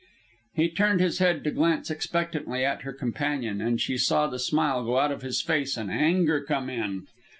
He turned his head to glance expectantly at her companion, and she saw the smile go out of his face and anger come in.